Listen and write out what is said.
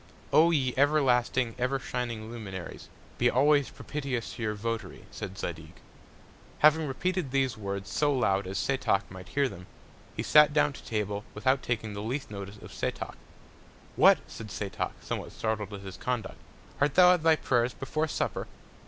O ye everlasting, ever shining Luminaries, be always propitious to your Votary, said Zadig. Having repeated these Words so loud as Setoc might hear them, he sat down to Table, without taking the least Notice of Setoc. What! said Setoc, somewhat startled at his Conduct, art thou at thy Prayers before Supper?